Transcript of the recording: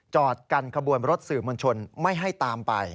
จอดกันขบวนรถสื่อมวลชนไม่ให้ตามไป